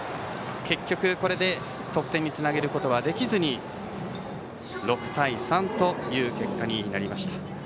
結局これで得点につなげることはできずに６対３という結果になりました。